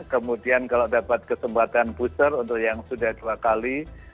kemudian kalau dapat kesempatan booster untuk yang sudah dua kali